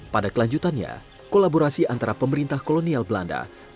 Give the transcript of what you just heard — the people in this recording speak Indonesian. pada kelanjutannya kolaborasi antara pemerintah kolonial belanda dan pemerintah rokan